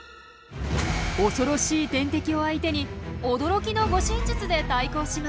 怖ろしい天敵を相手に驚きの護身術で対抗します。